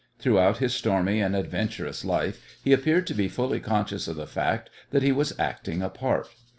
Throughout his stormy and adventurous life he appeared to be fully conscious of the fact that he was acting a part.